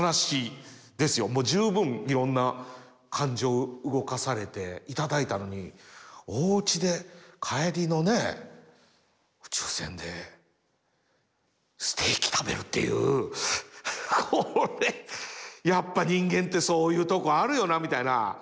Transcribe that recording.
もう十分いろんな感情を動かされていただいたのに大オチで帰りの宇宙船でステーキ食べるっていうこれやっぱ人間ってそういうとこあるよなみたいな。